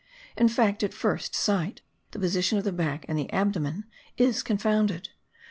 In fact, at first sight, the position of the back and the abdomen is confounded.